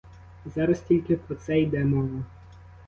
Зараз тільки про це йде мова.